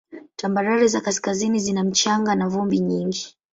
Tambarare za kaskazini zina mchanga na vumbi nyingi.